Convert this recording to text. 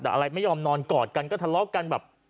แต่อะไรไม่ยอมนอนกอดกันก็ทะเลาะกันแบบ